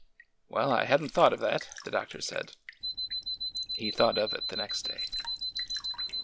''Well, I hadn't thought of that," the doctor said. j He thought of it the next day.